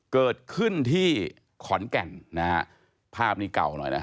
เกิดขึ้นที่ขอนแก่นนะฮะภาพนี้เก่าหน่อยนะ